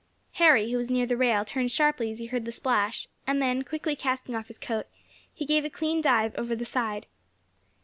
Harry, who was near the rail, turned sharply as he heard the splash, and then, quickly casting off his coat, he gave a clean dive over the side.